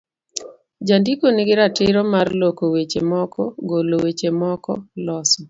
Jandiko nigi ratiro mar loko weche moko, golo weche moko, loso